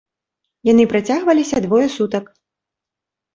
Яны працягваліся двое сутак.